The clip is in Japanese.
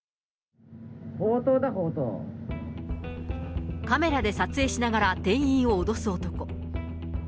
強盗だ、カメラで撮影しながら店員を脅す男。